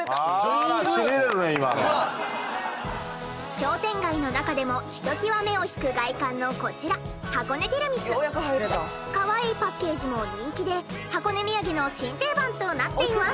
商店街の中でもひときわ目を引く外観のこちらかわいいパッケージも人気で箱根土産の新定番となっています。